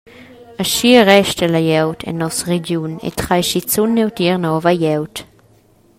Aschia resta la glieud en nossa regiun e trai schizun neutier nova glieud.